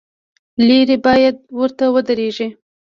لرې باید ورته ودرېږې.